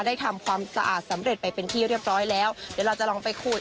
ทำความสะอาดสำเร็จไปเป็นที่เรียบร้อยแล้วเดี๋ยวเราจะลองไปขูด